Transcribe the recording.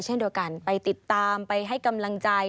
เช่นเดียวกันไปติดตามไปให้กำลังใจ